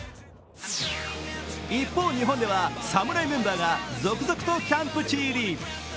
一方、日本では侍メンバーが続々とキャンプ地入り。